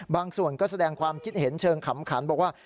บางส่วนก็แสดงความคิดเห็นเชิงขำขันบอกว่า